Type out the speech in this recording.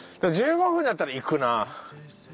１５分だったら行くな。